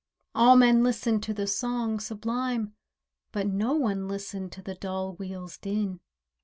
All men listened the song sublime— But no one listened the dull wheel's din.